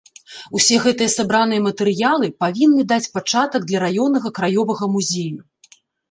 Усе гэтыя сабраныя матэрыялы павінны даць пачатак для раённага краёвага музею.